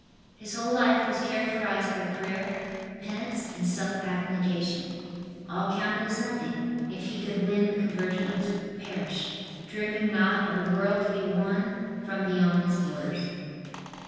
His whole life was characterized by prayer, penance and self abnegation. All counted as nothing if he could win the conversion of his parish, dreaming not of a world to be won from beyond its borders.